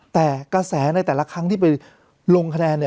แต่กระแสในแต่ละครั้งที่ไปลงคะแนน